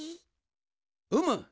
うむ。